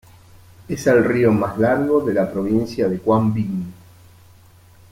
Es el río más largo de la provincia de Quang Binh.